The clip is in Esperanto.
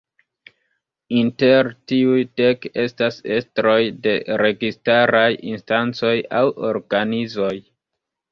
Inter tiuj dek estas estroj de registaraj instancoj aŭ organizoj.